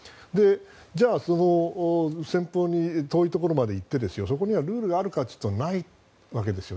じゃあ遠いところまで行ってそこにはルールがあるかといったらないわけですよ。